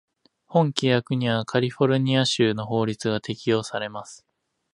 本規約にはカリフォルニア州の法律が適用されます。